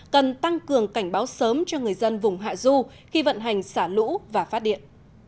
cần tăng cường cảnh báo sớm cho người dân vùng hạ du khi vận hành xả lũ và phát điện